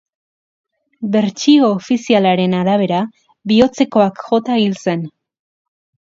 Bertsio ofizialaren arabera bihotzekoak jota hil zen.